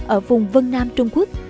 ở vùng vân nam trung quốc